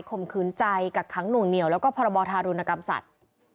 มขืนใจกักขังหน่วงเหนียวแล้วก็พรบธารุณกรรมสัตว์